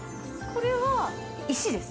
これは石です。